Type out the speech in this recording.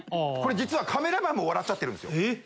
これは実はカメラマンも笑っちゃってるんですよ。